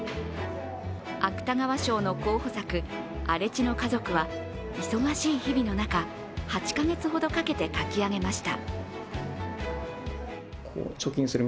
芥川賞の候補作「荒地の家族」は忙しい日々の中、８か月ほどかけて書き上げました。